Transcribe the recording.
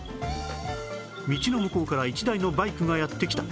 道の向こうから１台のバイクがやって来た